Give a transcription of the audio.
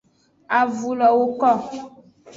Avulo woko.